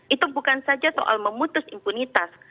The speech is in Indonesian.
itu bukan saja soal memutus impunitas